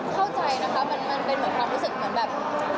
เข้าใจนะคะมันเป็นเหมือนความรู้สึกเหมือนแบบ